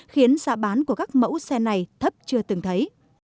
khiến giá bán của các mẫu xe này thấp chưa từng thấy